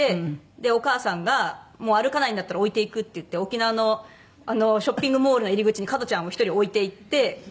でお母さんが「もう歩かないんだったら置いていく」って言って沖縄のショッピングモールの入り口に加トちゃんを１人置いていって。